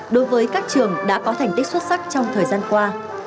đối với các trường đã có thành tích xuất sắc trong thời gian qua